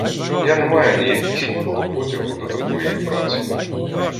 Я не маю ніякісінького потягу до такої праці.